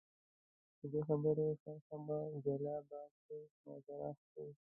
د دې خبرې شرحه په جلا بحث کې مطرح شي.